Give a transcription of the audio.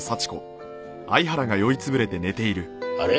あれ？